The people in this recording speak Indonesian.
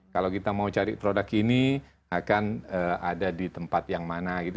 kalau kita mau cari produk ini akan ada di tempat yang mana gitu